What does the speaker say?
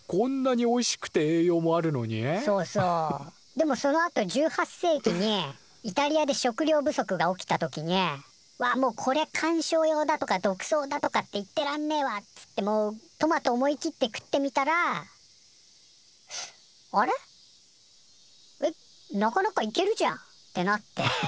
でもそのあと１８世紀にイタリアで食料不足が起きた時に「わもうこりゃ観賞用だとか毒草だとかって言ってらんねえわ」っつってもうトマト思い切って食ってみたら「あれ？えっ？なかなかいけるじゃん」ってなって。